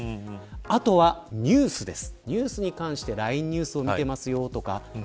あとはニュースです。